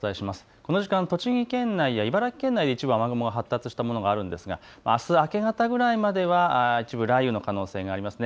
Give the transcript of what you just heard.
この時間、栃木県内や茨城県内で一部雨雲発達したものがあるんですが、あす明け方ぐらいまでは一部雷雨の可能性がありますね。